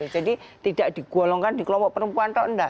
jadi tidak di golongkan di kelompok perempuan tau enggak